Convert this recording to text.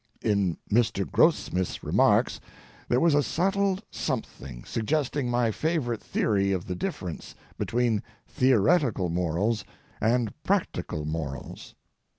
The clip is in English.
In Mr. Grossmith's remarks there was a subtle something suggesting my favorite theory of the difference between theoretical morals and practical morals.